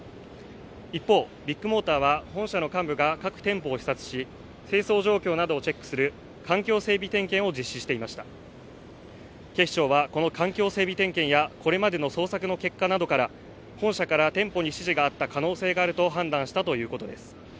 一方ビッグモーターは本社の幹部が各店舗を視察し清掃状況などをチェックする環境整備点検を実施していました警視庁はこの環境整備点検やこれまでの捜索の結果などから本社から店舗に指示があった可能性があると判断したということです